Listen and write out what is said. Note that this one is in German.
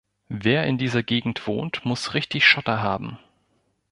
Wer in dieser Gegend wohnt, muss richtig Schotter haben.